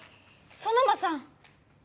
ソノマさん！